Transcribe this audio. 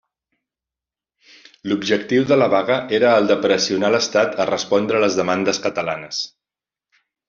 L'objectiu de la vaga era el de pressionar l'estat a respondre les demandes catalanes.